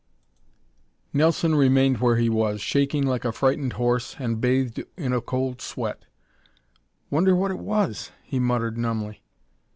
Nelson remained where he was, shaking like a frightened horse and bathed with a cold sweat. "Wonder what it was?" he muttered numbly.